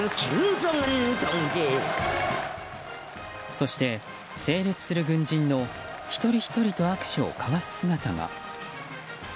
そして整列する軍人の一人ひとりと握手を交わす姿が。